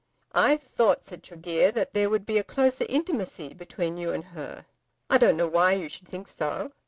"I thought," said Tregear, "that there would be a closer intimacy between you and her." "I don't know why you should think so."